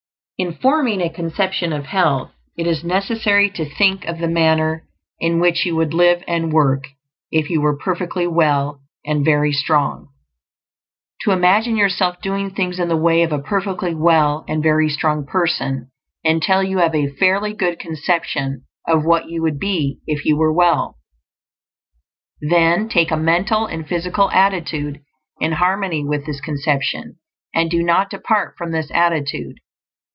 In forming a conception of health, it is necessary to think of the manner in which you would live and work if you were perfectly well and very strong; to imagine yourself doing things in the way of a perfectly well and very strong person, until you have a fairly good conception of what you would be if you were well. Then take a mental and physical attitude in harmony with this conception; and do not depart from this attitude.